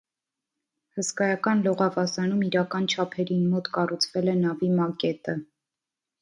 Հսկայական լողավազանում իրական չափերին մոտ կառուցվել է նավի մակետը։